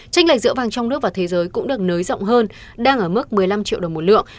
tranh lệch giữa vàng trong nước và thế giới cũng được nới rộng hơn đang ở mức một mươi năm triệu đồng một lượng